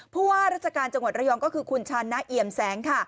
ผู้ว่าราชการจังหวัดระยองก็คือคุณชาญนะเอี่ยมแสงค่ะ